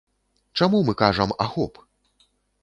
Чаму мы кажам ахоп?